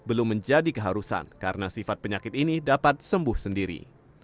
ada dikeharusan karena sifat penyakit ini dapat sembuh sendiri